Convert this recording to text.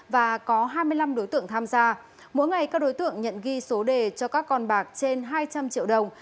và có hai mươi năm đối tượng tham gia mỗi ngày các đối tượng nhận ghi số đề cho các con bạc trên hai trăm linh triệu đồng